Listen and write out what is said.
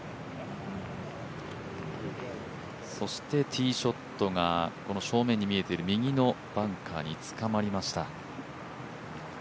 そしてティーショットがこの正面に見えている右のバンカーに捕まりました。